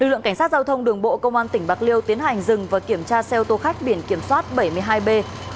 lực lượng cảnh sát giao thông đường bộ công an tỉnh bạc liêu tiến hành dừng và kiểm tra xe ô tô khách biển kiểm soát bảy mươi hai b một nghìn tám trăm một mươi một